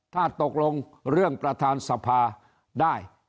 ถ้าตกลงเรื่องประธานสภาได้